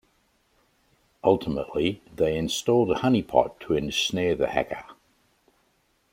Ultimately, they installed a honeypot to ensnare the hacker.